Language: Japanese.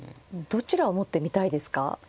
どちらを持ってみたいですか。